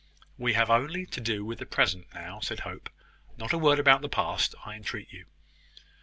"We have only to do with the present now," said Hope. "Not a word about the past, I entreat you."